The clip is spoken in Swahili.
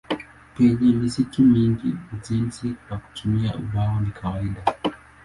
Penye misitu mingi ujenzi kwa kutumia ubao ni kawaida.